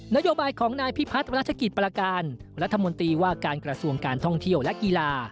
โยบายของนายพิพัฒน์รัชกิจประการรัฐมนตรีว่าการกระทรวงการท่องเที่ยวและกีฬา